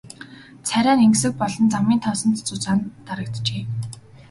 Царай нь энгэсэг болон замын тоосонд зузаан дарагджээ.